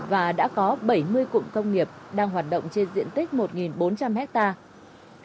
và đã có bảy mươi cụm công nghiệp đang hoạt động trên diện tích một bốn trăm linh hectare